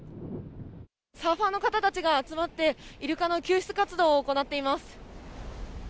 サーファーの方たちが集まって、イルカの救出活動を行っています。